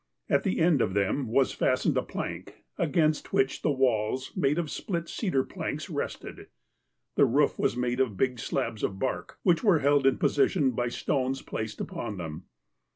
At the end of them was fastened a jilank, against which the walls, made of split cedar planks, rested. The roof was made of big slabs of bark, which were held iu jjosition by stones placed upon them.